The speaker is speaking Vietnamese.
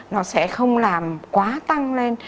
nó sẽ không làm quá tăng lên